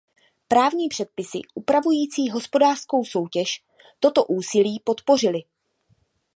Právní předpisy upravující hospodářskou soutěž toto úsilí podpořily.